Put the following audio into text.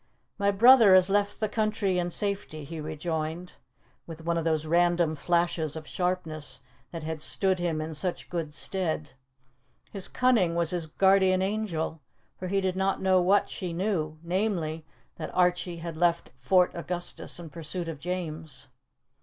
"My brother has left the country in safety," he rejoined, with one of those random flashes of sharpness that had stood him in such good stead. His cunning was his guardian angel; for he did not know what she knew namely, that Archie had left Fort Augustus in pursuit of James.